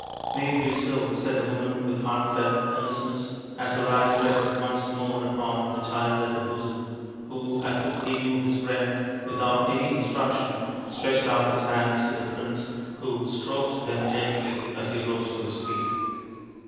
" May it be so," said the woman with heartfelt earnestness, as her eyes rested once more upon the child at her bosom, who, as if he knew his friend, without any instruction stretched out his hands to the prince, who stroked them gently as he rose to his feet.